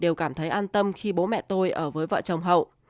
đều cảm thấy an tâm khi bố mẹ tôi ở với vợ chồng hậu